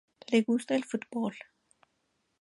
Le gusta el fútbol.